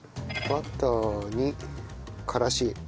バターにからし。